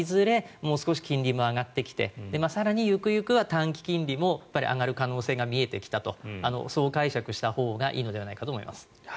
もう少し金利も上がってきて更に、行く行くは短期金利も上がる可能性が見えてきたとそう解釈したほうがいいのではないかと思います。